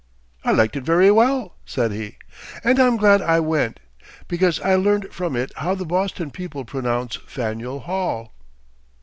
"I liked it very well," said he, "and I'm glad I went, because I learned from it how the Boston people pronounce Faneuil Hall."